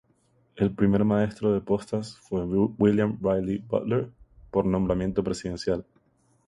El primer maestro de postas fue William Riley Butler, por nombramiento presidencial.